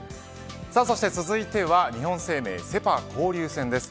そして続いては日本生命セ・パ交流戦です。